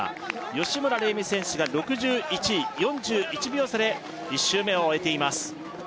吉村玲美選手が６１位４１秒差で１周目を終えています